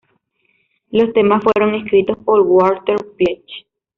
Los temas fueron escritos por Walter Pietsch.